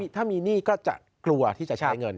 ถ้ามีหนี้ก็จะกลัวที่จะใช้เงิน